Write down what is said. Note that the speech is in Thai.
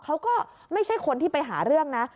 เขาก็ไม่ใช่คนที่ไปหาเรื่องนะ